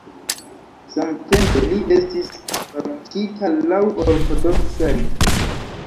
Samtempe li estis baptita laŭ ortodoksa rito.